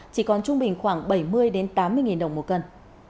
chỉ còn trung bình khoảng bảy mươi tám mươi nghìn đồng một cân